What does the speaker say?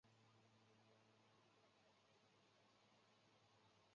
真鳄类的内鼻孔完全由翼骨环绕者。